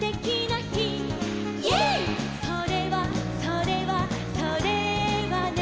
「それはそれはそれはね」